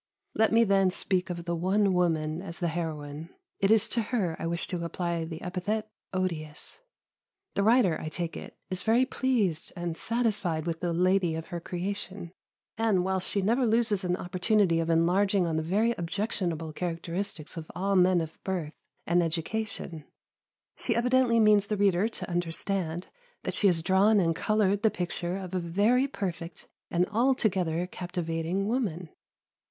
Let me then speak of the one woman as the heroine; it is to her I wish to apply the epithet odious. The writer, I take it, is very pleased and satisfied with the lady of her creation, and, whilst she never loses an opportunity of enlarging on the very objectionable characteristics of all men of birth and education, she evidently means the reader to understand that she has drawn and coloured the picture of a very perfect and altogether captivating woman.